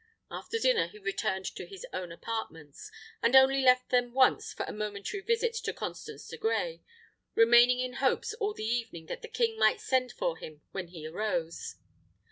After dinner he returned to his own apartments, and only left them once for a momentary visit to Constance de Grey, remaining in hopes all the evening that the king might send for him when he arose.